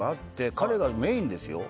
彼がメインですよ。